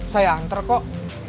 saya anter kok